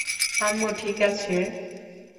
আম্মু ঠিক আছে?